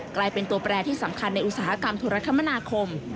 กลายเป็นตัวแปรที่สำคัญในอุตสาหกรรมธุรคมนาคม